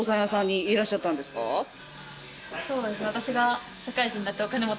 そうですね